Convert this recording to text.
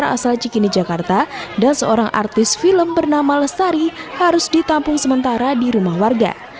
sebagian besar pelajar asal cikini jakarta dan seorang artis film bernama lesari harus ditampung sementara di rumah warga